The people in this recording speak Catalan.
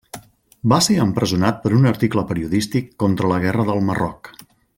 Va ser empresonat per un article periodístic contra la Guerra del Marroc.